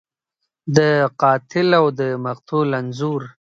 د قاتل او د مقتول انځور